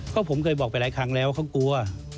ก็ผมเคยบอกไปหลายครั้งแล้วเขากลัว